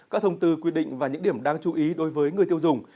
các thông tư quy định và những điểm đáng chú ý đối với người tiêu dùng